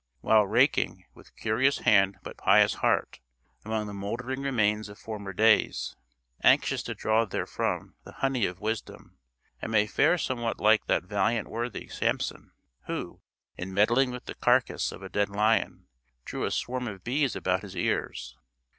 While raking, with curious hand but pious heart, among the mouldering remains of former days, anxious to draw therefrom the honey of wisdom, I may fare somewhat like that valiant worthy, Samson, who, in meddling with the carcase of a dead lion, drew a swarm of bees about his ears.